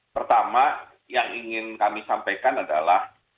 pertama yang ingin kami sampaikan adalah